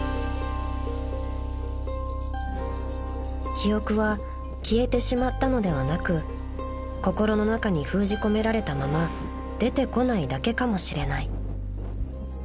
［記憶は消えてしまったのではなく心の中に封じ込められたまま出てこないだけかもしれない］